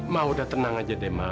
ma udah tenang aja deh ma